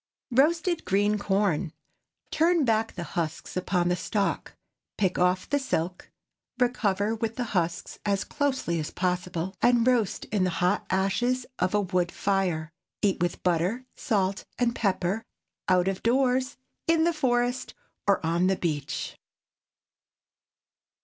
ROASTED GREEN CORN. Turn back the husks upon the stalk, pick off the silk, recover with the husks as closely as possible, and roast in the hot ashes of a wood fire. Eat with butter, salt, and pepper, out of doors, in the forest, or on the beach.